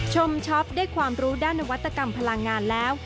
ช็อปได้ความรู้ด้านนวัตกรรมพลังงานแล้ว